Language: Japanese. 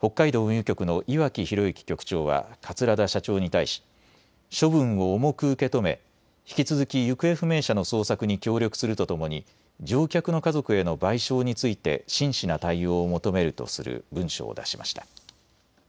北海道運輸局の岩城宏幸局長は桂田社長に対し処分を重く受け止め引き続き行方不明者の捜索に協力するとともに乗客の家族への賠償について真摯な対応を求めるとする文書を出しました。